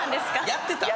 やってた？